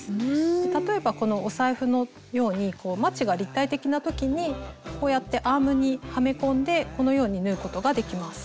例えばこのお財布のようにマチが立体的な時にこうやってアームにはめ込んでこのように縫うことができます。